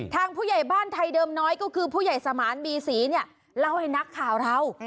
ผู้ใหญ่บ้านไทยเดิมน้อยก็คือผู้ใหญ่สมานบีศรีเนี่ยเล่าให้นักข่าวเรา